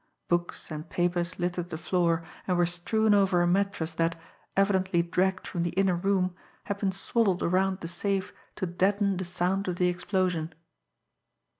Books and papers littered the floor, and were strewn over a mattress that, evidently dragged from the inner room, had been swaddled around the safe to deaden the sound of the explosion.